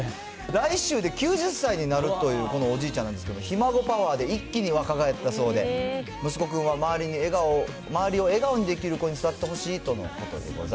来週で９０歳になるという、このおじいちゃんなんですけど、ひ孫パワーで一気に若返ったそうで、息子くんは周りを笑顔にできる子に育ってほしいとのことです。